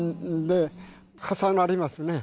重なりますね。